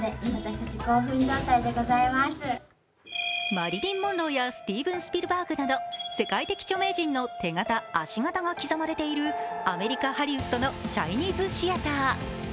マリリン・モンローやスティーヴン・スピルバーグなど世界的著名人の手形・足形が刻まれているアメリカ・ハリウッドのチャイニーズ・シアター。